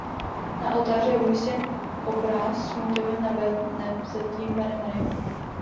Na oltáři je umístěn obraz s motivem Nanebevzetí Panny Marie.